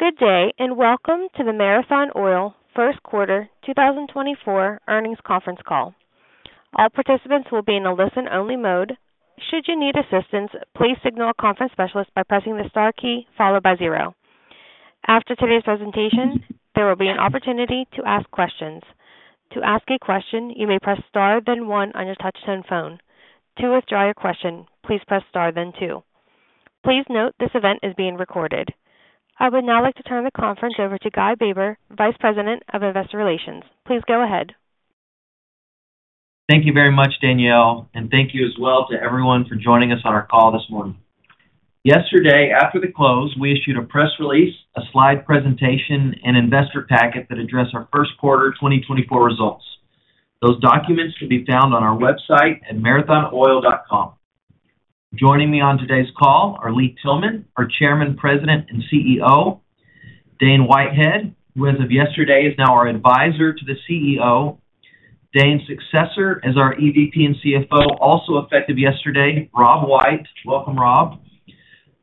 Good day, and welcome to the Marathon Oil First Quarter 2024 Earnings Conference Call. All participants will be in a listen-only mode. Should you need assistance, please signal a conference specialist by pressing the star key followed by zero. After today's presentation, there will be an opportunity to ask questions. To ask a question, you may press star, then one on your touchtone phone. To withdraw your question, please press star then two. Please note, this event is being recorded. I would now like to turn the conference over to Guy Baber, Vice President of Investor Relations. Please go ahead. Thank you very much, Danielle, and thank you as well to everyone for joining us on our call this morning. Yesterday, after the close, we issued a press release, a slide presentation, and investor packet that addressed our first quarter 2024 results. Those documents can be found on our website at marathonoil.com. Joining me on today's call are Lee Tillman, our Chairman, President, and CEO; Dane Whitehead, who as of yesterday, is now our Advisor to the CEO. Dane's successor as our EVP and CFO, also effective yesterday, Rob White. Welcome, Rob.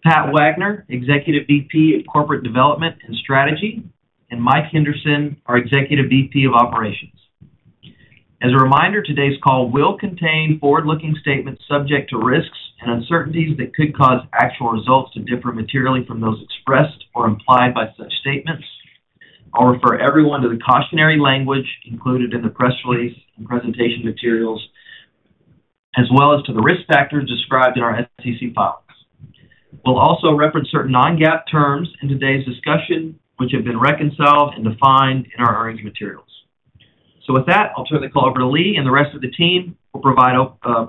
Pat Wagner, Executive VP of Corporate Development and Strategy, and Mike Henderson, our Executive VP of Operations. As a reminder, today's call will contain forward-looking statements subject to risks and uncertainties that could cause actual results to differ materially from those expressed or implied by such statements. I'll refer everyone to the cautionary language included in the press release and presentation materials, as well as to the risk factors described in our SEC filings. We'll also reference certain non-GAAP terms in today's discussion, which have been reconciled and defined in our earnings materials. So with that, I'll turn the call over to Lee, and the rest of the team will provide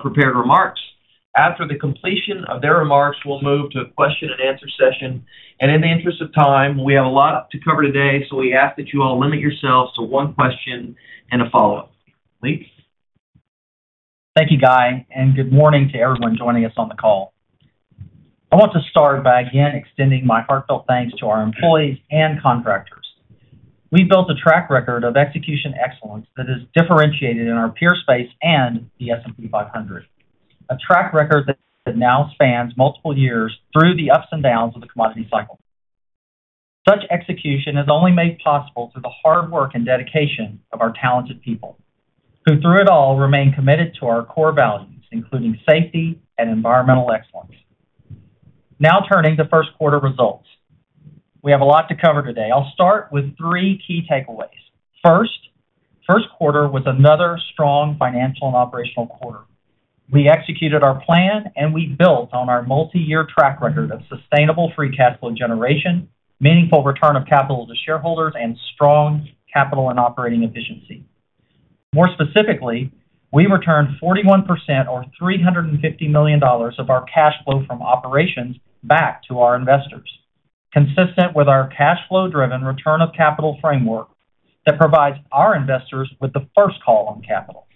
prepared remarks. After the completion of their remarks, we'll move to a question-and-answer session, and in the interest of time, we have a lot to cover today, so we ask that you all limit yourselves to one question and a follow-up. Lee? Thank you, Guy, and good morning to everyone joining us on the call. I want to start by again extending my heartfelt thanks to our employees and contractors. We've built a track record of execution excellence that is differentiated in our peer space and the S&P 500. A track record that now spans multiple years through the ups and downs of the commodity cycle. Such execution is only made possible through the hard work and dedication of our talented people, who, through it all, remain committed to our core values, including safety and environmental excellence. Now turning to first quarter results. We have a lot to cover today. I'll start with three key takeaways. First, first quarter was another strong financial and operational quarter. We executed our plan, and we built on our multi-year track record of sustainable free cash flow generation, meaningful return of capital to shareholders, and strong capital and operating efficiency. More specifically, we returned 41% or $350 million of our cash flow from operations back to our investors, consistent with our cash flow-driven return of capital framework that provides our investors with the first call on capital.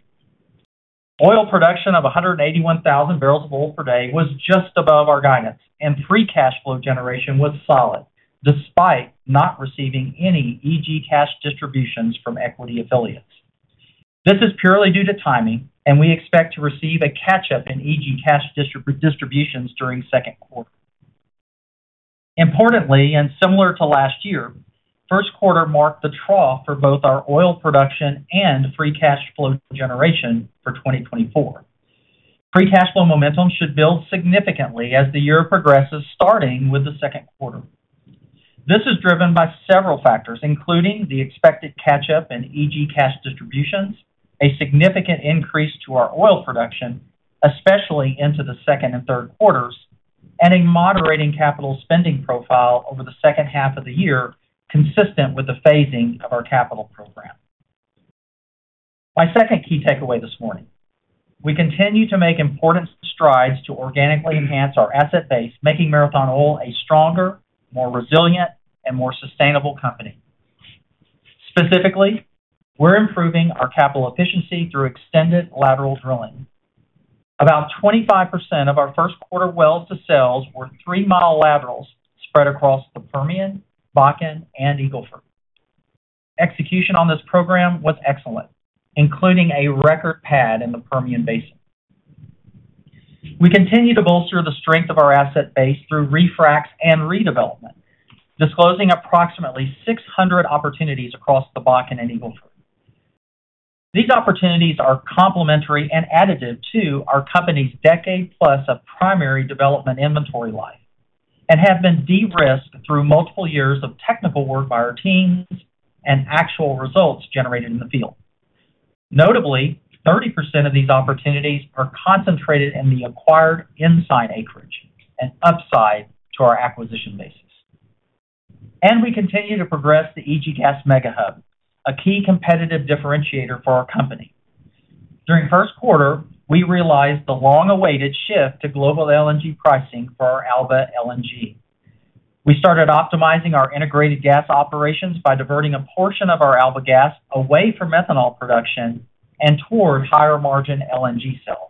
Oil production of 181,000 barrels of oil per day was just above our guidance, and free cash flow generation was solid, despite not receiving any EG cash distributions from equity affiliates. This is purely due to timing, and we expect to receive a catch-up in EG cash distributions during second quarter. Importantly, and similar to last year, first quarter marked the trough for both our oil production and free cash flow generation for 2024. Free cash flow momentum should build significantly as the year progresses, starting with the second quarter. This is driven by several factors, including the expected catch-up in EG cash distributions, a significant increase to our oil production, especially into the second and third quarters, and a moderating capital spending profile over the second half of the year, consistent with the phasing of our capital program. My second key takeaway this morning: We continue to make important strides to organically enhance our asset base, making Marathon Oil a stronger, more resilient, and more sustainable company. Specifically, we're improving our capital efficiency through extended lateral drilling. About 25% of our first quarter wells to sales were 3-mile laterals spread across the Permian, Bakken, and Eagle Ford. Execution on this program was excellent, including a record pad in the Permian Basin. We continue to bolster the strength of our asset base through refracs and redevelopment, disclosing approximately 600 opportunities across the Bakken and Eagle Ford. These opportunities are complementary and additive to our company's decade-plus of primary development inventory life and have been de-risked through multiple years of technical work by our teams and actual results generated in the field. Notably, 30% of these opportunities are concentrated in the acquired Ensign acreage and upside to our acquisition basis. We continue to progress the E.G. Gas Mega Hub, a key competitive differentiator for our company. During first quarter, we realized the long-awaited shift to global LNG pricing for our Alba LNG. We started optimizing our integrated gas operations by diverting a portion of our Alba Gas away from methanol production and towards higher-margin LNG sales.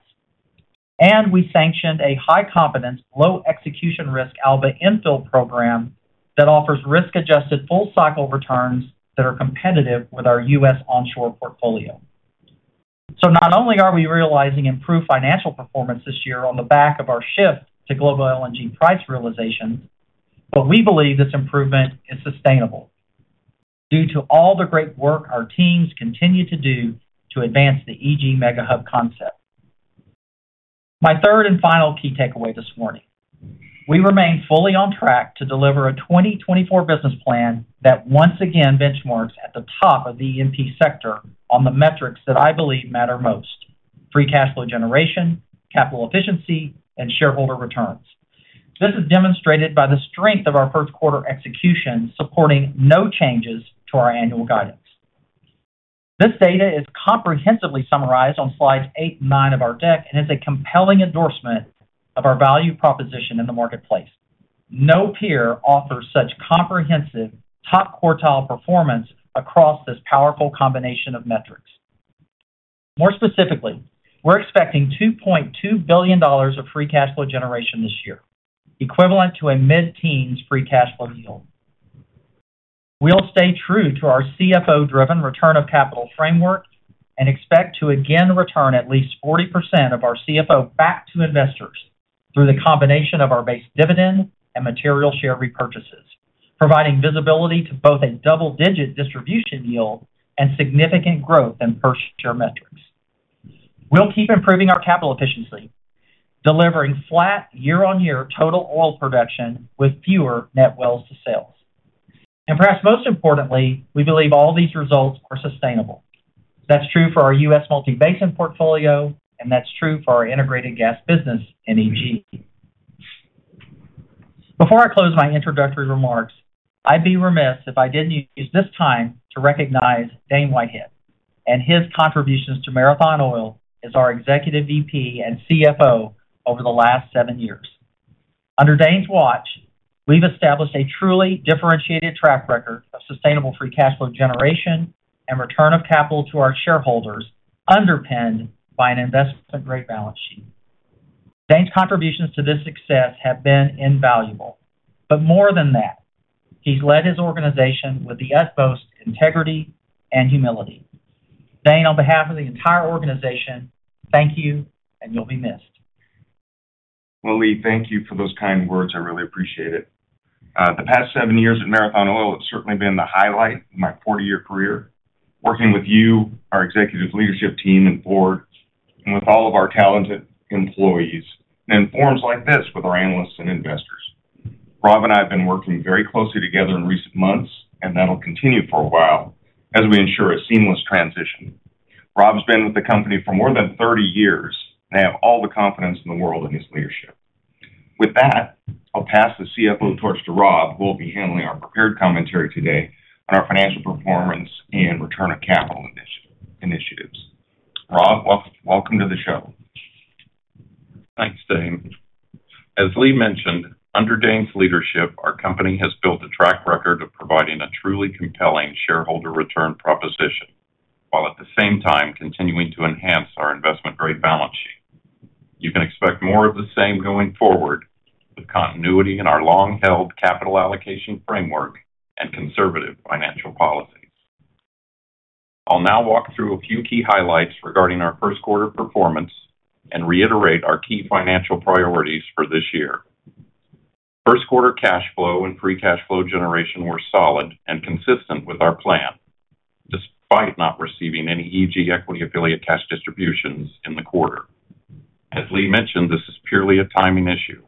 We sanctioned a high-confidence, low-execution risk Alba infill program that offers risk-adjusted full cycle returns that are competitive with our U.S. onshore portfolio. So not only are we realizing improved financial performance this year on the back of our shift to global LNG price realization, but we believe this improvement is sustainable due to all the great work our teams continue to do to advance the E.G. Mega Hub concept. My third and final key takeaway this morning: we remain fully on track to deliver a 2024 business plan that once again benchmarks at the top of the E&P sector on the metrics that I believe matter most: free cash flow generation, capital efficiency, and shareholder returns. This is demonstrated by the strength of our first quarter execution, supporting no changes to our annual guidance. This data is comprehensively summarized on slides 8 and 9 of our deck, and is a compelling endorsement of our value proposition in the marketplace. No peer offers such comprehensive top-quartile performance across this powerful combination of metrics. More specifically, we're expecting $2.2 billion of free cash flow generation this year, equivalent to a mid-teens free cash flow yield. We'll stay true to our CFO-driven return of capital framework and expect to again return at least 40% of our CFO back to investors through the combination of our base dividend and material share repurchases, providing visibility to both a double-digit distribution yield and significant growth in per share metrics. We'll keep improving our capital efficiency, delivering flat year-on-year total oil production with fewer net wells to sales. Perhaps most importantly, we believe all these results are sustainable. That's true for our U.S. Multi-basin portfolio, and that's true for our integrated gas business in E.G.. Before I close my introductory remarks, I'd be remiss if I didn't use this time to recognize Dane Whitehead and his contributions to Marathon Oil as our Executive VP and CFO over the last seven years. Under Dane's watch, we've established a truly differentiated track record of sustainable free cash flow generation and return of capital to our shareholders, underpinned by an investment-grade balance sheet. Dane's contributions to this success have been invaluable, but more than that, he's led his organization with the utmost integrity and humility. Dane, on behalf of the entire organization, thank you, and you'll be missed. Well, Lee, thank you for those kind words. I really appreciate it. The past seven years at Marathon Oil have certainly been the highlight of my 40-year career, working with you, our executive leadership team and board, and with all of our talented employees, and forums like this with our analysts and investors. Rob and I have been working very closely together in recent months, and that'll continue for a while as we ensure a seamless transition. Rob's been with the company for more than 30 years. I have all the confidence in the world in his leadership. With that, I'll pass the CFO torch to Rob, who will be handling our prepared commentary today on our financial performance and return of capital initiatives. Rob, welcome to the show. Thanks, Dane. As Lee mentioned, under Dane's leadership, our company has built a track record of providing a truly compelling shareholder return proposition, while at the same time continuing to enhance our investment-grade balance sheet. You can expect more of the same going forward with continuity in our long-held capital allocation framework and conservative financial policies. I'll now walk through a few key highlights regarding our first quarter performance and reiterate our key financial priorities for this year. First quarter cash flow and free cash flow generation were solid and consistent with our plan, despite not receiving any EG equity affiliate cash distributions in the quarter. As Lee mentioned, this is purely a timing issue.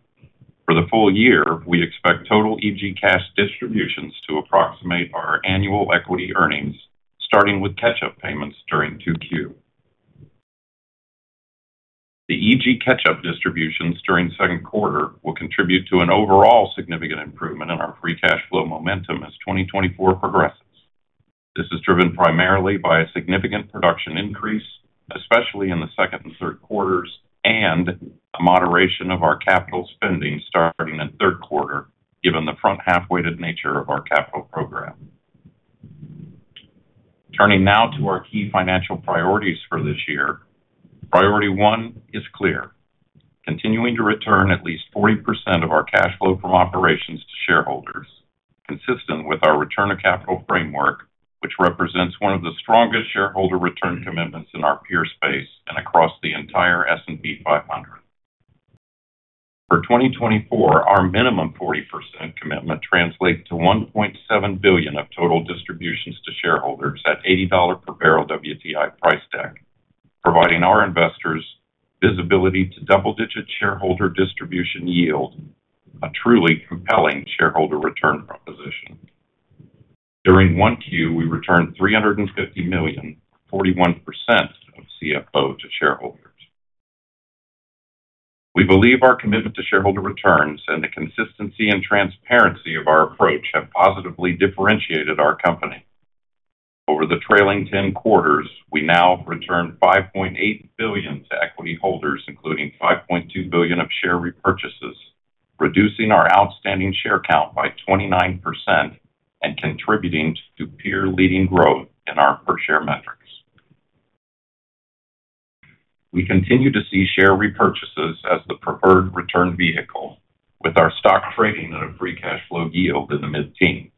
For the full year, we expect total EG cash distributions to approximate our annual equity earnings, starting with catch-up payments during 2Q. The EG catch-up distributions during second quarter will contribute to an overall significant improvement in our free cash flow momentum as 2024 progresses. This is driven primarily by a significant production increase, especially in the second and third quarters, and a moderation of our capital spending starting in third quarter, given the front half-weighted nature of our capital program. Turning now to our key financial priorities for this year. Priority one is clear: continuing to return at least 40% of our cash flow from operations to shareholders, consistent with our return of capital framework, which represents one of the strongest shareholder return commitments in our peer space and across the entire S&P 500. For 2024, our minimum 40% commitment translates to $1.7 billion of total distributions to shareholders at $80 per barrel WTI price deck, providing our investors visibility to double-digit shareholder distribution yield, a truly compelling shareholder return proposition. During 1Q, we returned $350 million, 41% of CFO to shareholders. We believe our commitment to shareholder returns and the consistency and transparency of our approach have positively differentiated our company. Over the trailing 10 quarters, we now return $5.8 billion to equity holders, including $5.2 billion of share repurchases, reducing our outstanding share count by 29% and contributing to peer-leading growth in our per share metrics. We continue to see share repurchases as the preferred return vehicle, with our stock trading at a free cash flow yield in the mid-teens.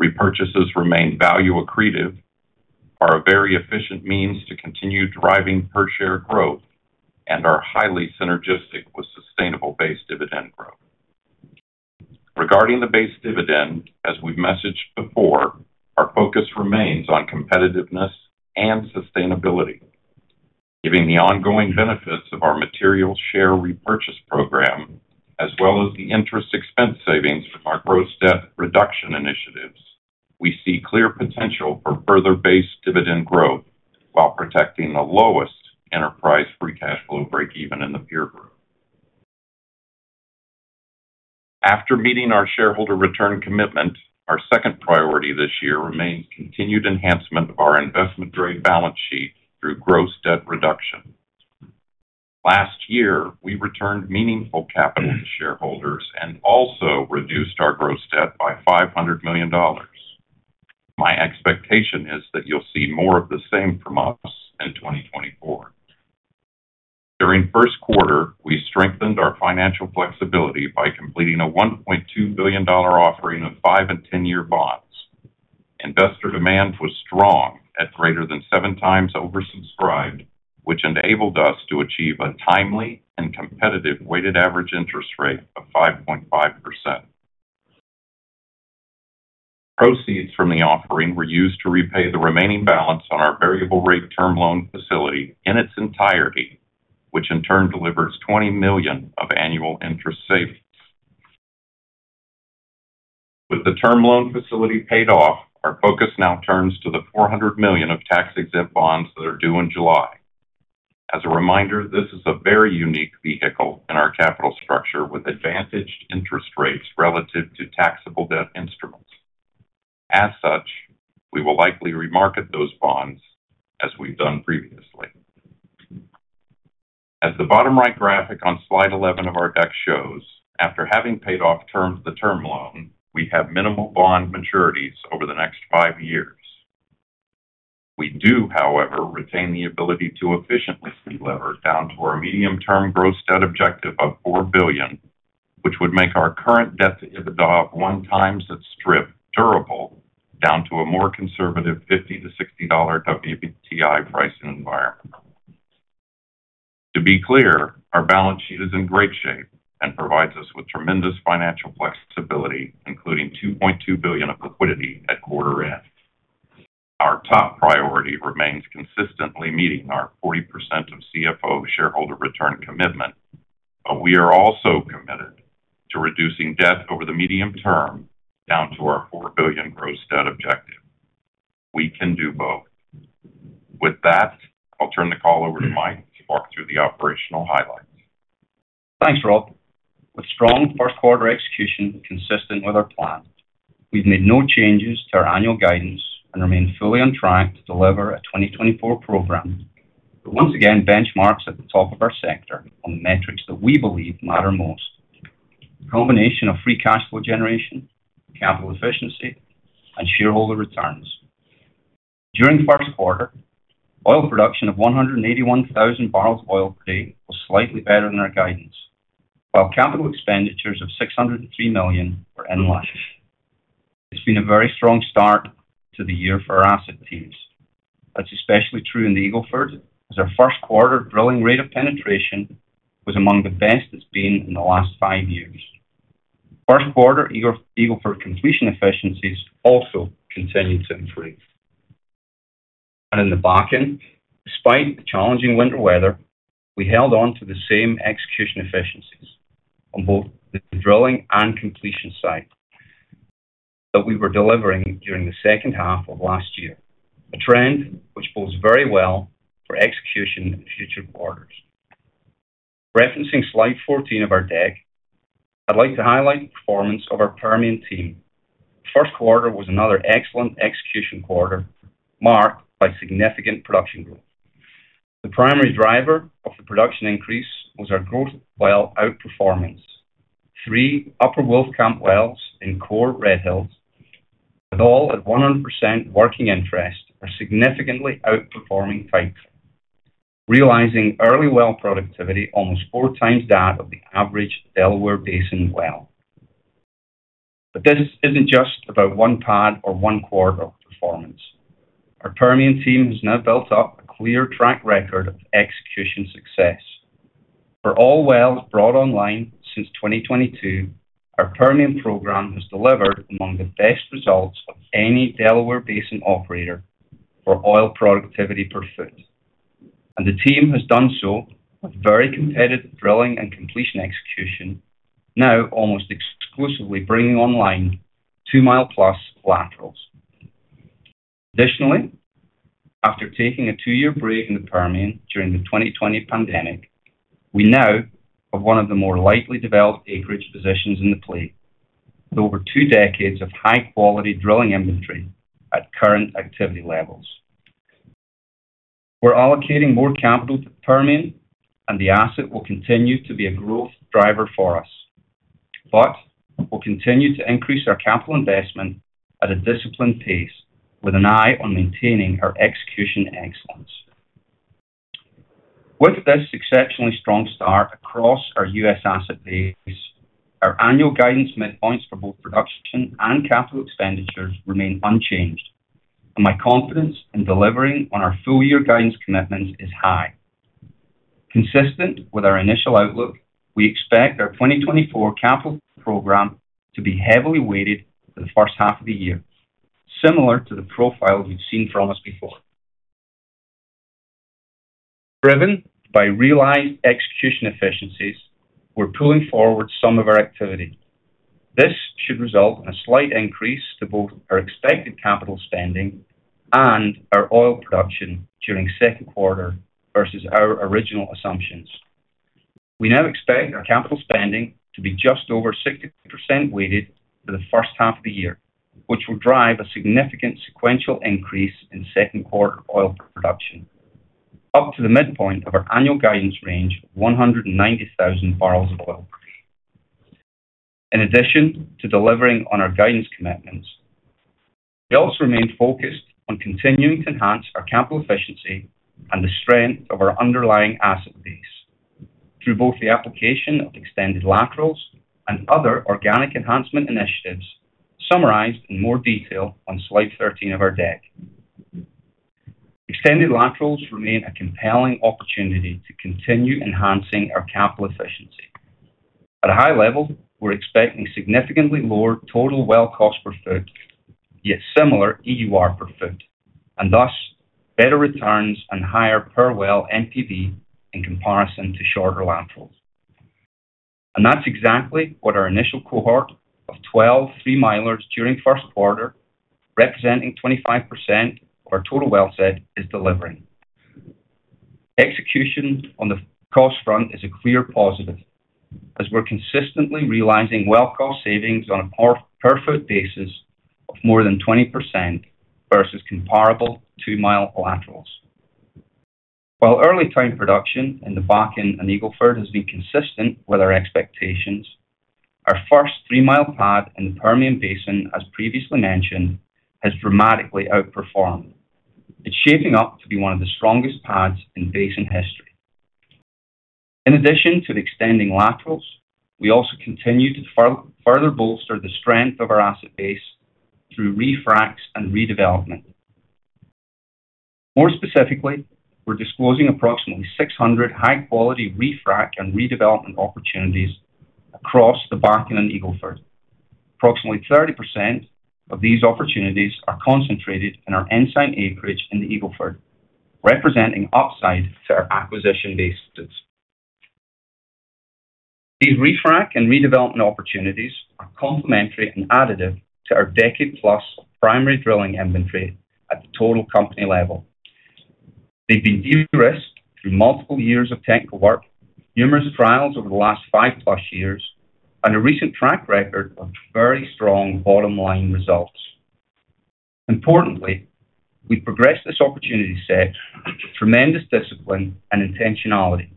Repurchases remain value accretive, are a very efficient means to continue driving per share growth, and are highly synergistic with sustainable base dividend growth. Regarding the base dividend, as we've messaged before, our focus remains on competitiveness and sustainability. Given the ongoing benefits of our material share repurchase program, as well as the interest expense savings from our gross debt reduction initiatives, we see clear potential for further base dividend growth while protecting the lowest enterprise free cash flow breakeven in the peer group. After meeting our shareholder return commitment, our second priority this year remains continued enhancement of our investment-grade balance sheet through gross debt reduction. Last year, we returned meaningful capital to shareholders and also reduced our gross debt by $500 million. My expectation is that you'll see more of the same from us in 2024. During first quarter, we strengthened our financial flexibility by completing a $1.2 billion offering of 5-year and 10-year bonds. Investor demand was strong, at greater than 7x oversubscribed, which enabled us to achieve a timely and competitive weighted average interest rate of 5.5%. Proceeds from the offering were used to repay the remaining balance on our variable rate term loan facility in its entirety, which in turn delivers $20 million of annual interest savings. With the term loan facility paid off, our focus now turns to the $400 million of tax-exempt bonds that are due in July. As a reminder, this is a very unique vehicle in our capital structure with advantaged interest rates relative to taxable debt instruments. As such, we will likely remarket those bonds as we've done previously. As the bottom right graphic on slide 11 of our deck shows, after having paid off the term loan, we have minimal bond maturities over the next five years. We do, however, retain the ability to efficiently delever down to our medium-term gross debt objective of $4 billion, which would make our current debt to EBITDA 1x at strip durable down to a more conservative $50 to $60 WTI pricing environment. To be clear, our balance sheet is in great shape and provides us with tremendous financial flexibility, including $2.2 billion of liquidity at quarter end. Our top priority remains consistently meeting our 40% of CFO shareholder return commitment, but we are also committed to reducing debt over the medium term, down to our $4 billion gross debt objective. We can do both. With that, I'll turn the call over to Mike to walk through the operational highlights. Thanks, Rob. With strong first quarter execution consistent with our plan, we've made no changes to our annual guidance and remain fully on track to deliver a 2024 program. Once again, benchmarks at the top of our sector on the metrics that we believe matter most. Combination of free cash flow generation, capital efficiency, and shareholder returns. During the first quarter, oil production of 181,000 barrels of oil per day was slightly better than our guidance, while capital expenditures of $603 million were in line. It's been a very strong start to the year for our asset teams. That's especially true in the Eagle Ford, as our first quarter drilling rate of penetration was among the best it's been in the last five years. First quarter Eagle Ford completion efficiencies also continued to improve. In the Bakken, despite the challenging winter weather, we held on to the same execution efficiencies on both the drilling and completion site that we were delivering during the second half of last year, a trend which bodes very well for execution in future quarters. Referencing slide 14 of our deck, I'd like to highlight the performance of our Permian team. First quarter was another excellent execution quarter, marked by significant production growth. The primary driver of the production increase was our growth while outperforming 3 Upper Wolfcamp wells in core Red Hills, with all at 100% working interest, are significantly outperforming type, realizing early well productivity almost 4 times that of the average Delaware Basin well. This isn't just about 1 pad or 1 quarter of performance. Our Permian team has now built up a clear track record of execution success. For all wells brought online since 2022, our Permian program has delivered among the best results of any Delaware Basin operator for oil productivity per foot, and the team has done so with very competitive drilling and completion execution, now almost exclusively bringing online 2-mile+ laterals. Additionally, after taking a 2-year break in the Permian during the 2020 pandemic, we now have one of the more lightly developed acreage positions in the play, with over 2 decades of high-quality drilling inventory at current activity levels. We're allocating more capital to Permian, and the asset will continue to be a growth driver for us, but we'll continue to increase our capital investment at a disciplined pace with an eye on maintaining our execution excellence. With this exceptionally strong start across our U.S. asset base, our annual guidance midpoints for both production and capital expenditures remain unchanged, and my confidence in delivering on our full-year guidance commitments is high. Consistent with our initial outlook, we expect our 2024 capital program to be heavily weighted for the first half of the year, similar to the profile you've seen from us before. Driven by realized execution efficiencies, we're pulling forward some of our activity. This should result in a slight increase to both our expected capital spending and our oil production during second quarter versus our original assumptions. We now expect our capital spending to be just over 60% weighted for the first half of the year, which will drive a significant sequential increase in second quarter oil production, up to the midpoint of our annual guidance range of 190,000 barrels of oil. In addition to delivering on our guidance commitments, we also remain focused on continuing to enhance our capital efficiency and the strength of our underlying asset base through both the application of extended laterals and other organic enhancement initiatives, summarized in more detail on slide 13 of our deck. Extended laterals remain a compelling opportunity to continue enhancing our capital efficiency. At a high level, we're expecting significantly lower total well cost per foot, yet similar EUR per foot, and thus better returns and higher per well NPV in comparison to shorter laterals. That's exactly what our initial cohort of 12 three-milers during first quarter, representing 25% of our total well set, is delivering. Execution on the cost front is a clear positive, as we're consistently realizing well cost savings on a per foot basis of more than 20% versus comparable two-mile laterals. While early time production in the Bakken and Eagle Ford has been consistent with our expectations, our first three-mile pad in the Permian Basin, as previously mentioned, has dramatically outperformed. It's shaping up to be one of the strongest pads in basin history. In addition to the extending laterals, we also continue to further bolster the strength of our asset base through refracs and redevelopment. More specifically, we're disclosing approximately 600 high-quality refrac and redevelopment opportunities across the Bakken and Eagle Ford. Approximately 30% of these opportunities are concentrated in our Ensign acreage in the Eagle Ford, representing upside to our acquisition basis. These refrac and redevelopment opportunities are complementary and additive to our decade-plus primary drilling inventory at the total company level. They've been de-risked through multiple years of technical work, numerous trials over the last 5+ years, and a recent track record of very strong bottom-line results. Importantly, we progressed this opportunity set with tremendous discipline and intentionality.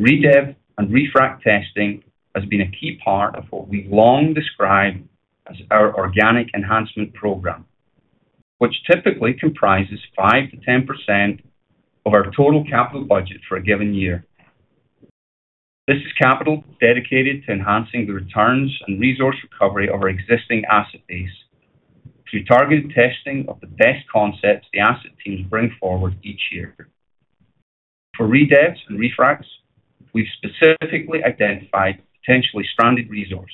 Redev and refrac testing has been a key part of what we've long described as our organic enhancement program, which typically comprises 5%-10% of our total capital budget for a given year. This is capital dedicated to enhancing the returns and resource recovery of our existing asset base through targeted testing of the best concepts the asset teams bring forward each year. For redevs and refracs, we've specifically identified potentially stranded resource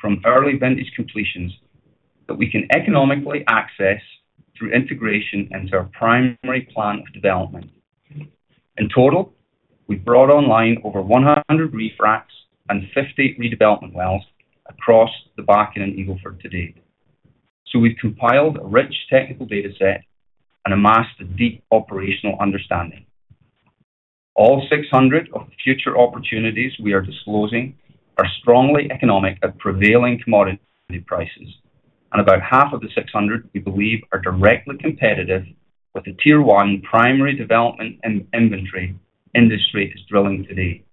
from early vintage completions that we can economically access through integration into our primary plan of development. In total, we've brought online over 100 refracs and 50 redevelopment wells across the Bakken and Eagle Ford to date. So we've compiled a rich technical data set and amassed a deep operational understanding. All 600 of the future opportunities we are disclosing are strongly economic at prevailing commodity prices, and about half of the 600 we believe are directly competitive with the Tier One primary development in inventory industry is drilling today.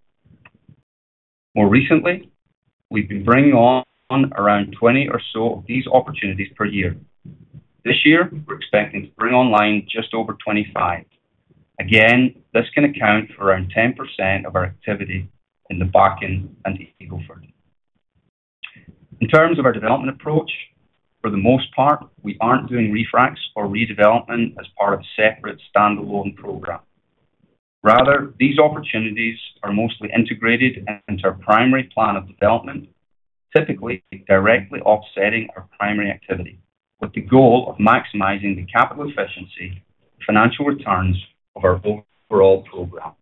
More recently, we've been bringing on around 20 or so of these opportunities per year. This year, we're expecting to bring online just over 25. Again, this can account for around 10% of our activity in the Bakken and Eagle Ford. In terms of our development approach, for the most part, we aren't doing refracs or redevelopment as part of a separate standalone program. Rather, these opportunities are mostly integrated into our primary plan of development, typically directly offsetting our primary activity, with the goal of maximizing the capital efficiency, financial returns of our overall program.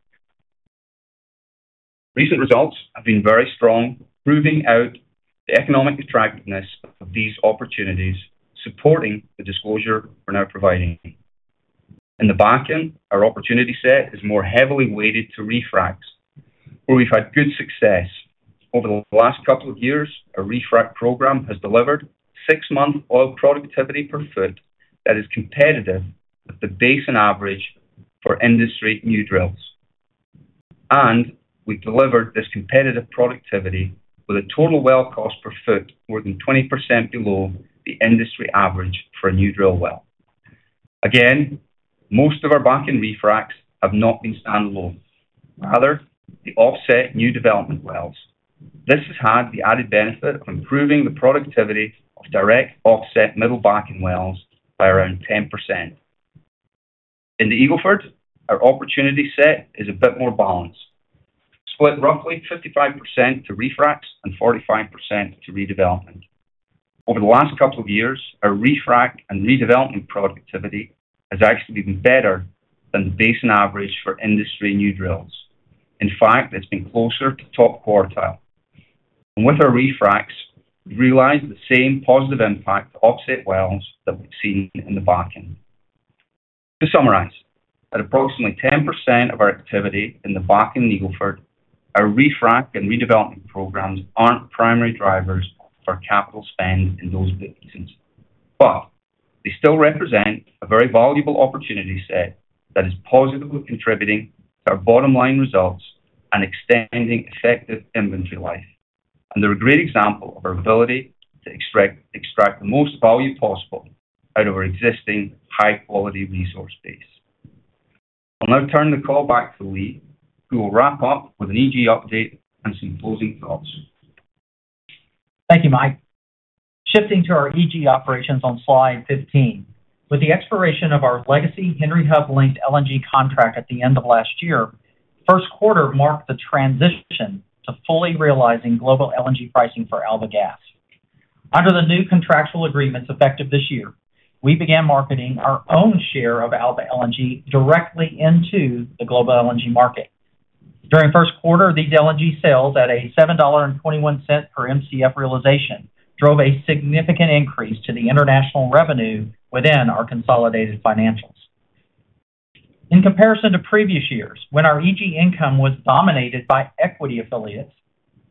Recent results have been very strong, proving out the economic attractiveness of these opportunities, supporting the disclosure we're now providing. In the Bakken, our opportunity set is more heavily weighted to refracs, where we've had good success. Over the last couple of years, our refrac program has delivered six-month oil productivity per foot that is competitive with the basin average for industry new drills. And we've delivered this competitive productivity with a total well cost per foot, more than 20% below the industry average for a new drill well. Again, most of our Bakken refracs have not been standalone. Rather, they offset new development wells. This has had the added benefit of improving the productivity of direct offset middle Bakken wells by around 10%. In the Eagle Ford, our opportunity set is a bit more balanced, split roughly 55% to refracs and 45% to redevelopment. Over the last couple of years, our refrac and redevelopment productivity has actually been better than the basin average for industry new drills. In fact, it's been closer to top quartile. And with our refracs, we realized the same positive impact to offset wells that we've seen in the Bakken. To summarize, at approximately 10% of our activity in the Bakken and Eagle Ford, our refrac and redevelopment programs aren't primary drivers for capital spend in those basins, but they still represent a very valuable opportunity set that is positively contributing to our bottom-line results and extending effective inventory life. And they're a great example of our ability to extract, extract the most value possible out of our existing high-quality resource base. I'll now turn the call back to Lee, who will wrap up with an EG update and some closing thoughts. Thank you, Mike. Shifting to our EG operations on slide 15. With the expiration of our legacy Henry Hub-linked LNG contract at the end of last year, first quarter marked the transition to fully realizing global LNG pricing for Alba Gas. Under the new contractual agreements effective this year, we began marketing our own share of Alba LNG directly into the global LNG market. During first quarter, these LNG sales, at a $7.21 per Mcf realization, drove a significant increase to the international revenue within our consolidated financials. In comparison to previous years, when our EG income was dominated by equity affiliates,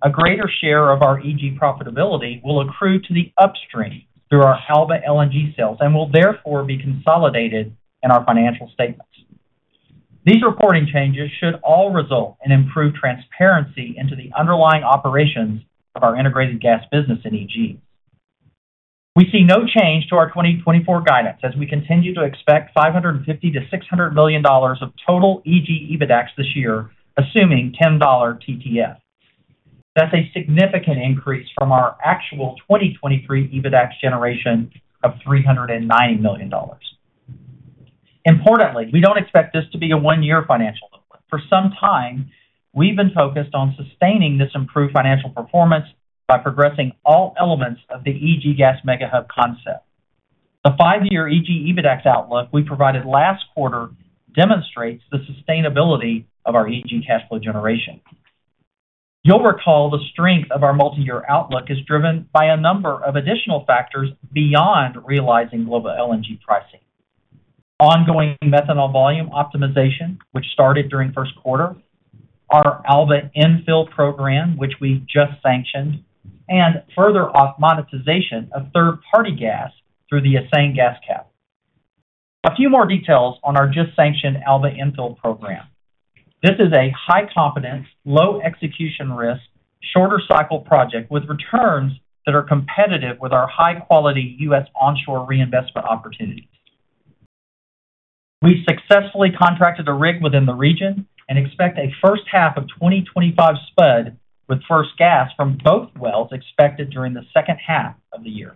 a greater share of our EG profitability will accrue to the upstream through our Alba LNG sales and will therefore be consolidated in our financial statements. These reporting changes should all result in improved transparency into the underlying operations of our integrated gas business in EG. We see no change to our 2024 guidance as we continue to expect $550 million to $600 million of total EG EBITDAX this year, assuming $10 TTF. That's a significant increase from our actual 2023 EBITDAX generation of $309 million. Importantly, we don't expect this to be a 1-year financial outlook. For some time, we've been focused on sustaining this improved financial performance by progressing all elements of the EG Gas Mega Hub concept. The 5-year EG EBITDAX outlook we provided last quarter demonstrates the sustainability of our EG cash flow generation. You'll recall the strength of our multi-year outlook is driven by a number of additional factors beyond realizing global LNG pricing. Ongoing methanol volume optimization, which started during first quarter, our Alba infill program, which we've just sanctioned, and further off monetization of third-party gas through the Aseng gas cap. A few more details on our just sanctioned Alba infill program. This is a high-confidence, low-execution risk, shorter cycle project with returns that are competitive with our high-quality U.S. onshore reinvestment opportunities. We successfully contracted a rig within the region and expect a first half of 2025 spud, with first gas from both wells expected during the second half of the year.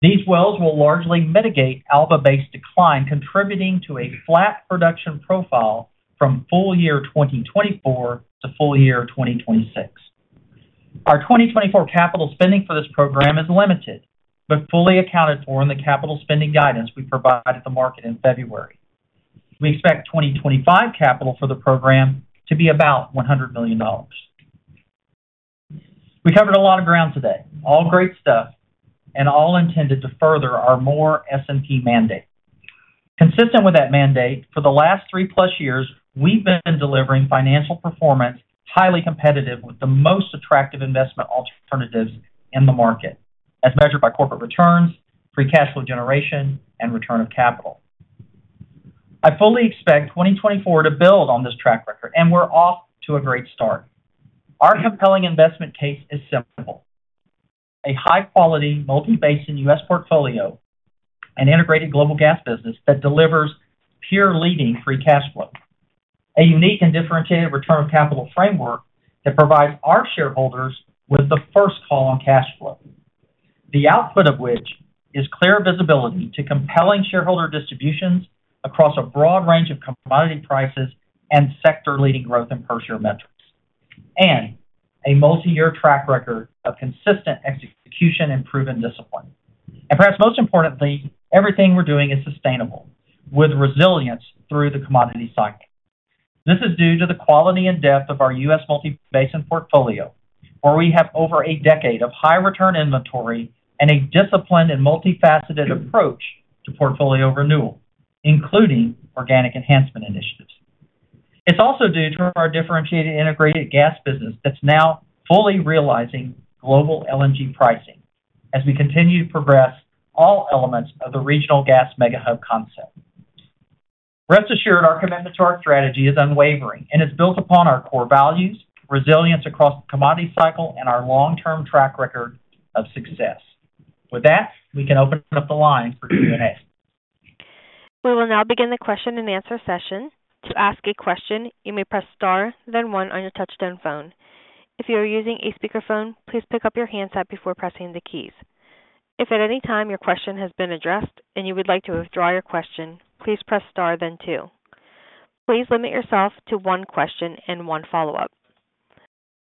These wells will largely mitigate Alba base decline, contributing to a flat production profile from full year 2024 to full year 2026. Our 2024 capital spending for this program is limited, but fully accounted for in the capital spending guidance we provided the market in February. We expect 2025 capital for the program to be about $100 million. We covered a lot of ground today, all great stuff, and all intended to further our more S&P mandate. Consistent with that mandate, for the last 3+ years, we've been delivering financial performance, highly competitive with the most attractive investment alternatives in the market, as measured by corporate returns, free cash flow generation, and return of capital. I fully expect 2024 to build on this track record, and we're off to a great start. Our compelling investment case is simple, a high-quality, multi-basin U.S. portfolio and integrated global gas business that delivers pure leading free cash flow. A unique and differentiated return of capital framework that provides our shareholders with the first call on cash flow, the output of which is clear visibility to compelling shareholder distributions across a broad range of commodity prices and sector-leading growth in per-share metrics, and a multi-year track record of consistent execution and proven discipline. Perhaps most importantly, everything we're doing is sustainable, with resilience through the commodity cycle. This is due to the quality and depth of our U.S. multi-basin portfolio, where we have over a decade of high-return inventory and a disciplined and multifaceted approach to portfolio renewal, including organic enhancement initiatives. It's also due to our differentiated integrated gas business that's now fully realizing global LNG pricing… as we continue to progress all elements of the regional gas mega-hub concept. Rest assured, our commitment to our strategy is unwavering and is built upon our core values, resilience across the commodity cycle, and our long-term track record of success. With that, we can open up the line for Q&A. We will now begin the question-and-answer session. To ask a question, you may press star, then one on your touchtone phone. If you are using a speakerphone, please pick up your handset before pressing the keys. If at any time your question has been addressed and you would like to withdraw your question, please press star then two. Please limit yourself to one question and one follow-up.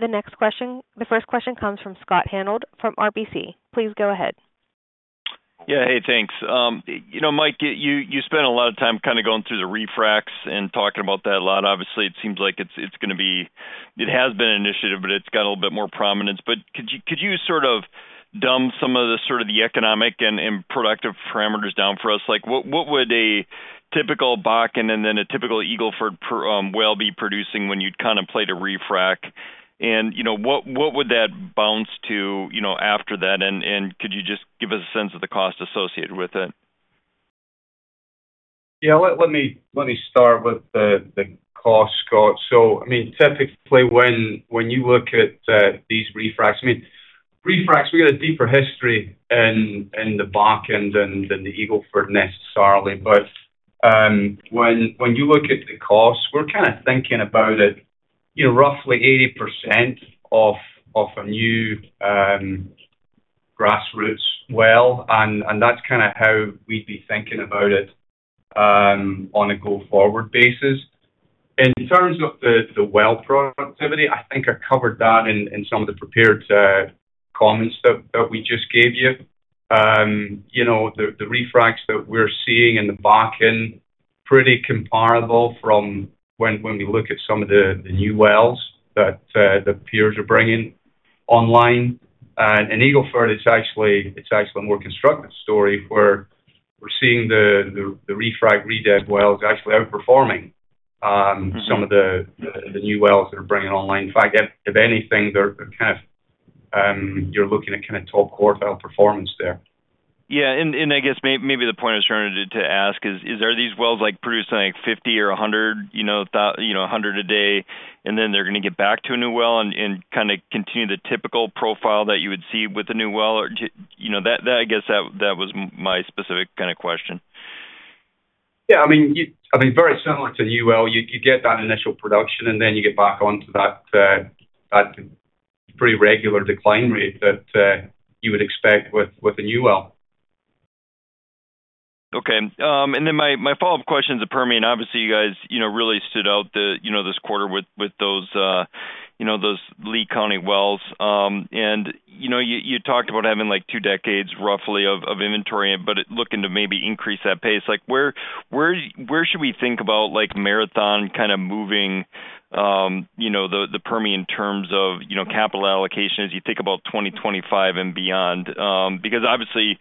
The next question, the first question comes from Scott Hanold from RBC. Please go ahead. Yeah. Hey, thanks. You know, Mike, you, you spent a lot of time kind of going through the refracs and talking about that a lot. Obviously, it seems like it's, it's gonna be, it has been an initiative, but it's got a little bit more prominence. But could you, could you sort of dumb some of the, sort of the economic and, and productive parameters down for us? Like, what, what would a typical Bakken and then a typical Eagle Ford, well be producing when you'd kind of play the refrac? And, you know, what, what would that bounce to, you know, after that? And, and could you just give us a sense of the cost associated with it? Yeah. Let me start with the cost, Scott. So, I mean, typically, when you look at these refracs, refracs, we've got a deeper history in the Bakken than the Eagle Ford, necessarily. But when you look at the costs, we're kinda thinking about it, you know, roughly 80% of a new grassroots well, and that's kinda how we'd be thinking about it on a go-forward basis. In terms of the well productivity, I think I covered that in some of the prepared comments that we just gave you. You know, the refracs that we're seeing in the Bakken, pretty comparable from when we look at some of the new wells that the peers are bringing online. In Eagle Ford, it's actually a more constructive story, where we're seeing the refrac redev wells actually outperforming some of the new wells that are bringing online. In fact, if anything, they're kind of you're looking at kind of top quartile performance there. Yeah, and I guess maybe the point I was trying to ask is, are these wells, like, producing, like, 50 or 100, you know, 100 a day, and then they're gonna get back to a new well and kinda continue the typical profile that you would see with a new well? Or, you know, that I guess that was my specific kind of question. Yeah, I mean, very similar to a new well, you get that initial production, and then you get back onto that pretty regular decline rate that you would expect with a new well. Okay. And then my follow-up question is the Permian. Obviously, you guys, you know, really stood out the, you know, this quarter with, with those, you know, those Lea County wells. And, you know, you, you talked about having, like, 2 decades, roughly, of inventory, but it looking to maybe increase that pace. Like, where, where, where should we think about, like, Marathon kind of moving, you know, the, the Permian in terms of, you know, capital allocation as you think about 2025 and beyond? Because, obviously,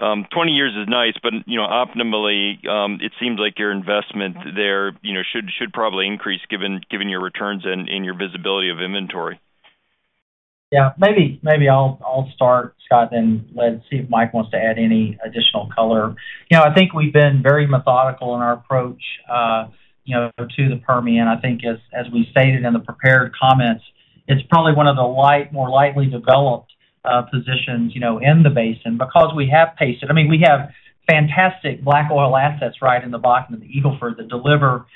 20 years is nice, but, you know, optimally, it seems like your investment there, you know, should, should probably increase given, given your returns and, and your visibility of inventory. Yeah. Maybe I'll start, Scott, then let's see if Mike wants to add any additional color. You know, I think we've been very methodical in our approach, you know, to the Permian. I think as we stated in the prepared comments, it's probably one of the more lightly developed positions, you know, in the basin because we have paced it. I mean, we have fantastic black oil assets right in the Bakken and the Eagle Ford that deliver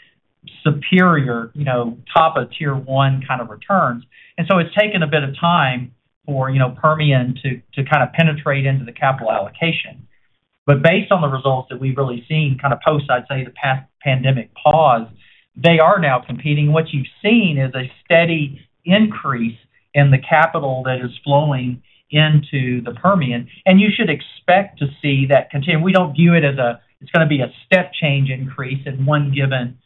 superior, you know, top of tier one kind of returns. And so it's taken a bit of time for, you know, Permian to kind of penetrate into the capital allocation. But based on the results that we've really seen, kind of post, I'd say, the post-pandemic pause, they are now competing. What you've seen is a steady increase in the capital that is flowing into the Permian, and you should expect to see that continue. We don't view it as a, it's gonna be a step change increase in one given,